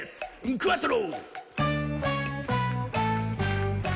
クアトロ！」